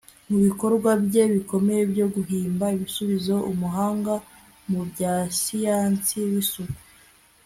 mubikorwa bye bikomeye byo guhimba ibisubizo; umuhanga mu bya siyansi w'isuku